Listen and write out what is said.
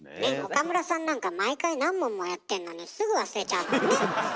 岡村さんなんか毎回何問もやってんのにすぐ忘れちゃうもんね。